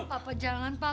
papa jangan papa